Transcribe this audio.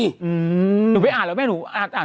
หนูไปอ่านแล้วแม่หนูอ่าน